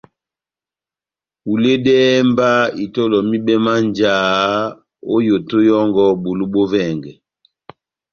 Huledɛhɛ mba itɔlɔ mibɛ má njáhá ó yoto yɔ́ngɔ bulu bó vɛngɛ.